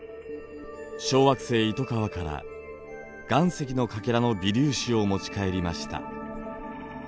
小惑星イトカワから岩石のかけらの微粒子を持ち帰りました。